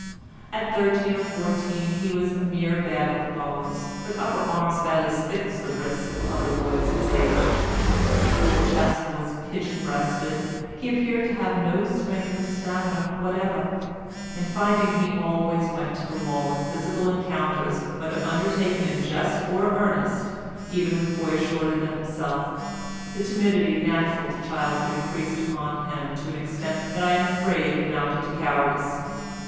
At thirteen or fourteen he was a mere bag of bones, with upper arms about as thick as the wrists of other boys of his age; his little chest was pigeon breasted; he appeared to have no strength or stamina whatever, and finding he always went to the wall in physical encounters, whether undertaken in jest or earnest, even with boys shorter than himself, the timidity natural to childhood increased upon him to an extent that I am afraid amounted to cowardice.